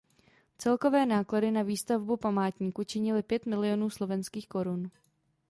Celkové náklady na výstavbu památníku činily pět milionů slovenských korun.